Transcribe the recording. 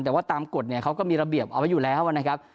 แต่ว่าตามกฎเนี่ยเขาก็มีระเบียบเอาไว้อยู่แล้วนะครับ